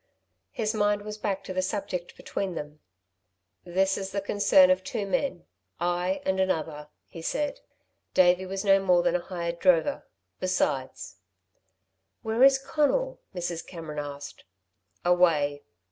His mind was back to the subject between them. "This is the concern of two men, I and another," he said. "Davey was no more than a hired drover. Besides " "Where is Conal?" Mrs. Cameron asked. "Away."